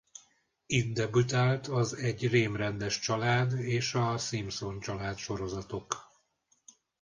Itt debütált az Egy rém rendes család és a Simpson család sorozatok.